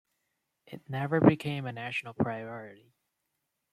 It never became a national priority.